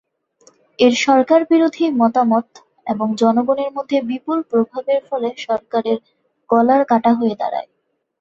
এর সরকার-বিরোধী মতামত এবং জনগণের মধ্যে বিপুল প্রভাবের ফলে সরকারের গলার কাঁটা হয়ে দাঁড়ায়।